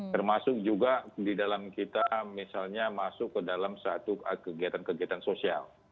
termasuk juga di dalam kita misalnya masuk ke dalam satu kegiatan kegiatan sosial